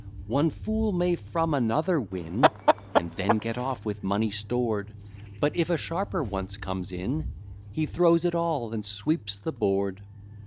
One fool may from another win, And then get off with money stored; But, if a sharper once comes in, He throws it all, and sweeps the board.